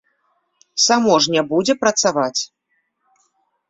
Само ж не будзе працаваць!